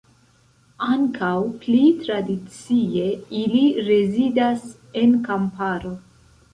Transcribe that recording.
Ankaŭ, pli tradicie, ili rezidas en kamparo.